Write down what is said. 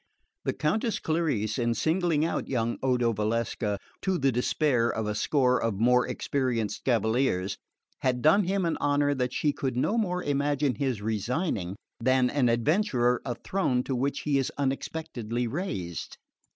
The Countess Clarice, in singling out young Odo Valsecca (to the despair of a score of more experienced cavaliers) had done him an honour that she could no more imagine his resigning than an adventurer a throne to which he is unexpectedly raised.